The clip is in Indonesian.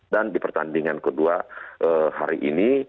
dan di pertandingan kedua hari ini